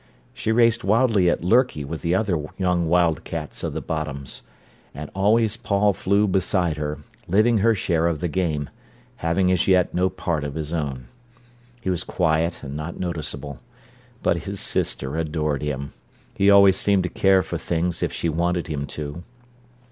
She raced wildly at lerky with the other young wild cats of the Bottoms. And always Paul flew beside her, living her share of the game, having as yet no part of his own. He was quiet and not noticeable. But his sister adored him. He always seemed to care for things if she wanted him to.